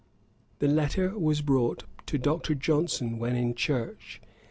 This letter was brought to Dr. Johnson when in church.